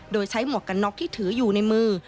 โดยใช้หมวกกันน็อกที่ถืออยู่ในมือ